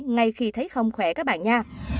ngay khi thấy không khỏe các bạn nha